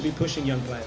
tapi kita juga bisa